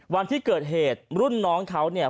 วันที่เกิดเหตุรุ่นน้องเขาเนี่ย